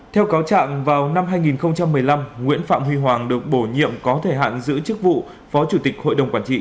theo cáo trạng vào năm hai nghìn một mươi năm nguyễn phạm huy hoàng được bổ nhiệm có thời hạn giữ chức vụ phó chủ tịch hội đồng quản trị